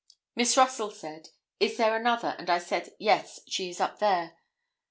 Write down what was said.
"Miss Russell said 'Is there another,' and I said 'Yes, she is up there.